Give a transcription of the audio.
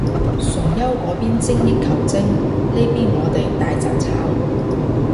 崇優嗰邊精益求精，呢邊我哋大雜炒